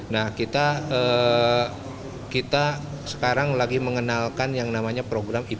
nah kita sekarang lagi mengenalkan yang namanya program impor